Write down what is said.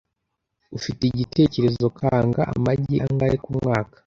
Ufite igitekerezo kanga amagi angahe kumwaka?